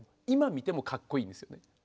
今見てもかっこいいんですよね。